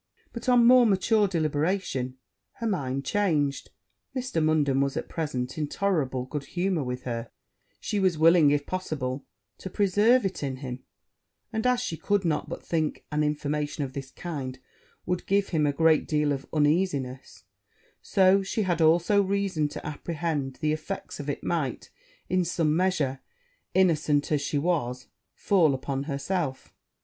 But, on more mature deliberation, her mind changed: Mr. Munden was, at present, in tolerable good humour with her she was willing, if possible, to preserve it in him; and, as she could not but think an information of this kind would give him a great deal of uneasiness, so she had also reason to apprehend the effects of it might, in some measure, innocent as she was, fall upon herself.